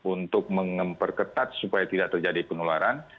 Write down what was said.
untuk mengempet ketat supaya tidak terjadi penularan